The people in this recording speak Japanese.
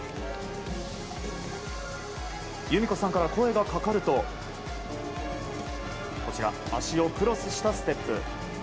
裕美子さんから声がかかると足をクロスしたステップ。